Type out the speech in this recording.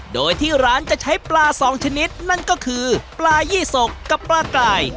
โดยที่ร้านจะใช้ปลาสองชนิดนั่นก็คือปลายี่สกกับปลากลาย